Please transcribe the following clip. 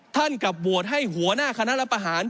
ท่านกับบวทให้หัวหน้าคณะรับประหาร